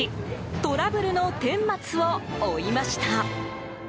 トラブルの顛末を追いました。